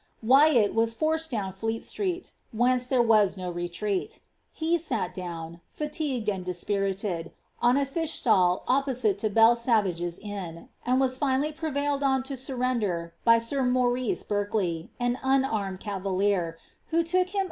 Wyatt waa forced down Fleet Street, whence tlieflB waa no leliML He sat down, fiitigned and dbpiriiad» on a fiah ptall oppoaile to Bel Si Yagers inn, and was finallyprevailed oa.to enrrender .by air Jbnrif^ Berk ley, an unarmed cavalier, who took him.